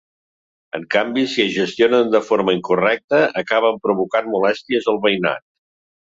En canvi, si es gestionen de forma incorrecta acaben provocant molèsties al veïnat.